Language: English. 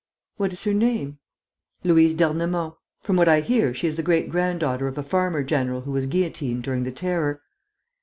"What is her name?" "Louise d'Ernemont.... From what I hear, she is the great granddaughter of a farmer general who was guillotined during the Terror."